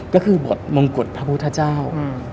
ก็คือบทมงกุฎพระพุทธเจ้า